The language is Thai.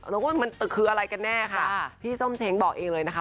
แล้วก็มันคืออะไรกันแน่ค่ะพี่ส้มเช้งบอกเองเลยนะคะ